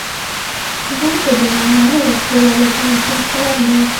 دا په دې معنا نه ده چې ولې صنعتي انقلاب نه و.